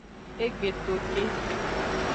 E gbe to ke.